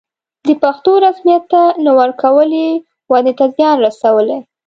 د پښتو رسميت ته نه ورکول یې ودې ته زیان رسولی.